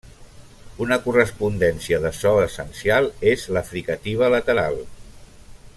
Una correspondència de so essencial és la fricativa lateral.